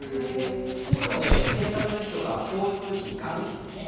ですので、生活費とか教育費・学費ですね。